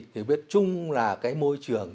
hiểu biết chung là cái môi trường